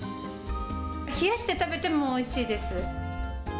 冷やして食べてもおいしいです。